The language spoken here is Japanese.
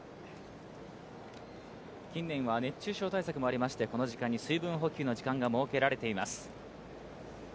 近年は熱中症対策もありまして、この時間に水分補給の時間が設けられています。